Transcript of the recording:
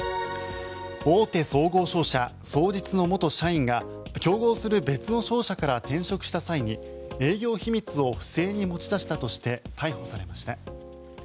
大手総合商社、双日の元社員が競合する別の商社から転職した際に営業秘密を不正に持ち出したとして逮捕されました。